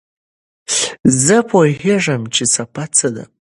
زه پوهېږم چې څپه څه ده.